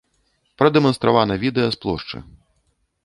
Прадэманстравана відэа з плошчы.